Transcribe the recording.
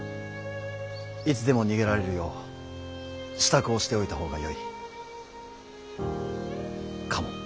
いつでも逃げられるよう支度をしておいた方がよいかも。